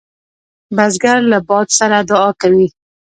بزګر له باد سره دعا کوي